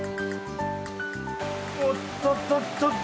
おっとととと。